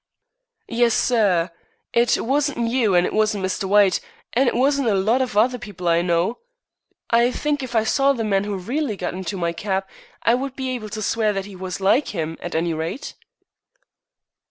"Yes, sir. It wasn't you, and it wasn't Mr. White, and it wasn't a lot of other people I know. I think if I saw the man who really got into my keb, I would be able to swear that 'e was like him, at any rate."